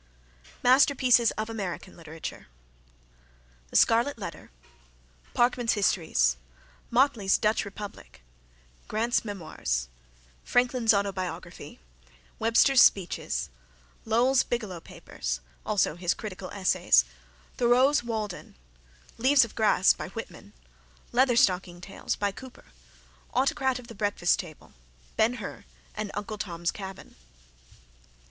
MASTERPIECES OF AMERICAN LITERATURE _Scarlet Letter, Parkman's Histories, Motley's Dutch Republic, Grant's Memoirs, Franklin's Autobiography, Webster's Speeches, Lowell's Bigelow Papers_, also his Critical Essays, Thoreau's Walden, Leaves of Grass (Whitman), Leather stocking Tales (Cooper), Autocrat of the Breakfast Table, Ben Hur and Uncle Tom's Cabin.